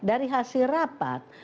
dari hasil rapat